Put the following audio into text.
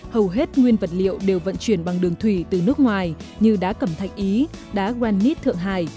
hầu hết nguyên vật liệu đều vận chuyển bằng đường thủy từ nước ngoài như đá cẩm thạch ý đá granite thượng hải